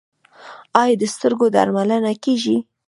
آیا د سترګو درملنه کیږي؟